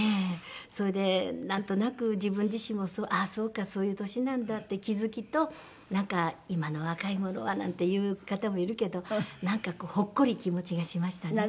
それでなんとなく自分自身もああそうかそういう年なんだって気付きとなんか「今の若い者は」なんて言う方もいるけどなんかこうほっこり気持ちがしましたね。